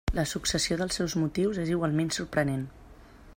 La successió dels seus motius és igualment sorprenent.